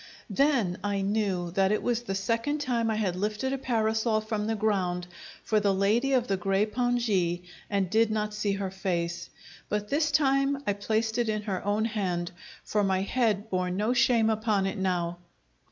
Then I knew that it was the second time I had lifted a parasol from the ground for the lady of the grey pongee and did not see her face; but this time I placed it in her own hand; for my head bore no shame upon it now.